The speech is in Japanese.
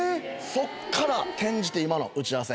そこから転じて今の「打合せ」。